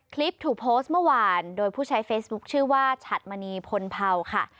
คลิปถูกโพสต์เมื่อวานโดยผู้ใช้เฟซบุ๊คชื่อว่าฉัดมณีพลเผาค่ะ